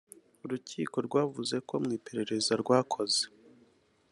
urukiko rwavuze ko mu iperereza rwakoze